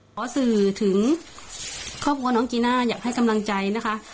ขอสื่อถึงครอบครัวน้องจีน่าอยากให้กำลังใจนะคะ